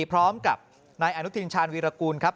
พร้อมกับนายอนุทินชาญวีรกูลครับ